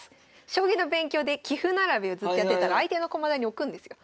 将棋の勉強で棋譜並べをずっとやってったら相手の駒台に置くんですよ。